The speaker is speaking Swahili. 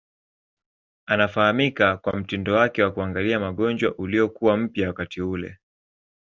Anafahamika kwa mtindo wake wa kuangalia magonjwa uliokuwa mpya wakati ule.